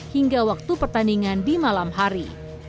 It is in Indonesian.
hingga waktu pertandingan di malam hari